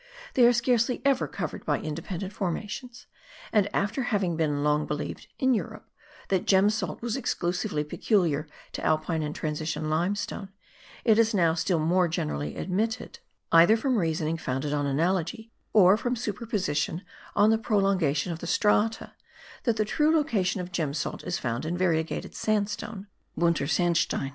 They are scarcely ever covered by independent formations; and after having been long believed, in Europe, that gem salt was exclusively peculiar to Alpine and transition limestone, it is now still more generally admitted, either from reasoning founded on analogy or from suppositions on the prolongation of the strata, that the true location of gem salt is found in variegated sandstone (buntersandstein).